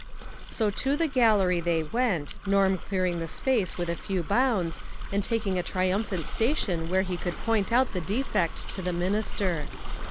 So to the gallery they went, Norm clearing the space with a few bounds, and taking a tri umphant station where he could point out the defect to the minister.